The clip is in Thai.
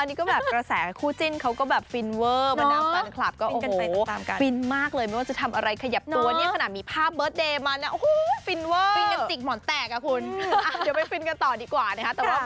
อันนี้ก็แบบกระแสกับคู่จิ้นเค้าก็แบบฟินเวอร์บรรดาฟันคลับก็โอ้โหฟินมากเลยไม่ว่าจะทำอะไรขยับตัวเนี่ยขนาดมีภาพเบิร์ตเดย์มาเนี่ยฟินเวอร์ฟินกันจิ๊กหมอนแตกอ่ะคุณเดี๋ยวไปฟินกันต่อดีกว่านะครับ